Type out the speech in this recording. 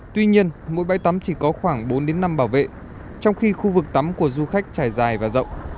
tuy nhiên mỗi bãi tắm chỉ có khoảng bốn năm bảo vệ trong khi khu vực tắm của du khách trải dài và rộng